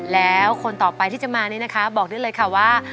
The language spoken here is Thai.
แล้วคนต่อไปที่จะมานี่นะคะบอกได้เลยค่ะว่า